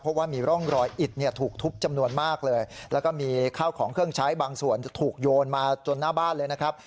เพราะว่ามีร่องรอยอิดเนี่ยถูกทุบจำนวนมากเลยแล้วก็มีข้าวของเครื่องใช้บางส่วนจะถูกโยนมาจนหน้าบ้านเลยนะครับ